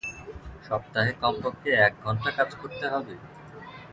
সপ্তাহে কমপক্ষে এক ঘন্টা কাজ করতে হবে।